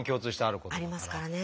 ありますからね。